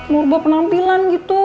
mau ubah penampilan gitu